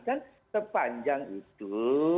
kan sepanjang itu